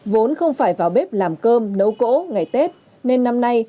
vốn không phải vào bếp làm cơm nấu cỗ ngày tết nên năm nay